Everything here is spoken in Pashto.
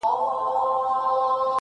دا آخره زمانه ده په پیمان اعتبار نسته--!